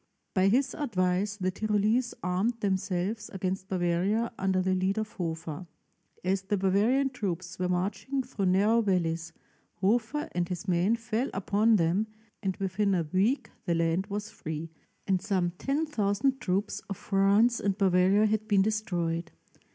By his advice the Tyrolese armed themselves against Bavaria under the lead of Hofer. As the Bavarian troops were marching through narrow valleys, Hofer and his men fell upon them, and within a week the land was free, and some 10,000 troops of France and Bavaria had been destroyed.